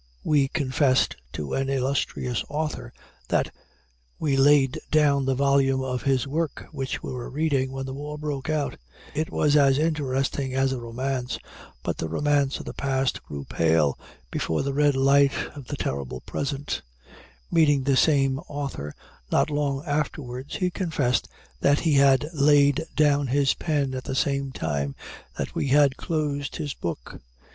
We confessed to an illustrious author that we laid down the volume of his work which we were reading when the war broke out. It was as interesting as a romance, but the romance of the past grew pale before the red light of the terrible present. Meeting the same author not long afterwards, he confessed that he had laid down his pen at the same time that we had closed his book.